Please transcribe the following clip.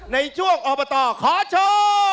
ในช่วงอบตขอโชว์